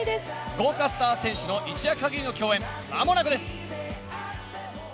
豪華スター選手の一夜限りの共演、まもなくです。